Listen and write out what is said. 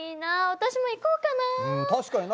私も行こうかな。